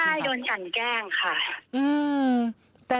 ใช่โดนกันแกล้งค่ะ